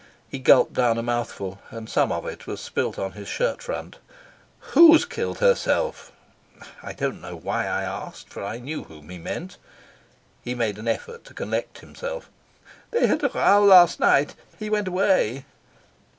He gulped down a mouthful, and some of it was spilt on his shirt front. "Who's killed herself?" I do not know why I asked, for I knew whom he meant. He made an effort to collect himself. "They had a row last night. He went away."